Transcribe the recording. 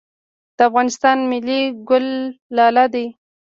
د افغانستان ملي ګل لاله دی